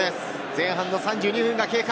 前半３２分が経過。